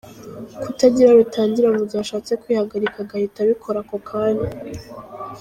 Kutagira rutangira mu gihe ashatse kwihagarika agahita abikora ako kanya.